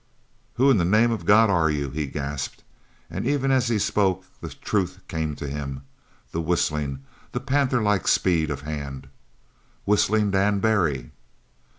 "Who in the name of God are you?" he gasped, and even as he spoke the truth came to him the whistling the panther like speed of hand "Whistling Dan Barry."